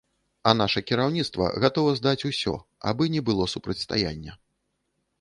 А наша кіраўніцтва гатова здаць усё, абы не было супрацьстаяння.